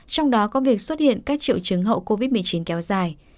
trong đó có việc xuất hiện các triệu chứng hậu covid một mươi chín kéo dài